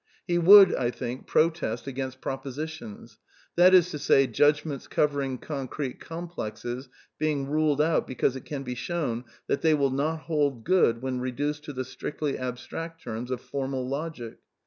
He would, I think, protest against propositions, that is to say, judgments cover ing concrete complexes being ruled out because it can be shown that they will not hold good when reduced to the strictly abstract terms of formal logic.